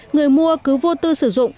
người mua cứ vô tư sử dụng